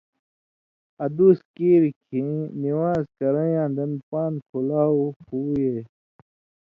ادُوس کیریۡ کھیں نِوان٘ز کرَیں یاں دَن پان٘د کھلاؤ ہویے۔